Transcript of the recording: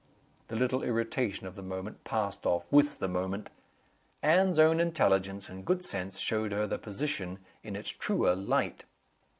The little irritation of the moment passed off with the moment. Anne's own intelligence and good sense showed her the position in its truer light.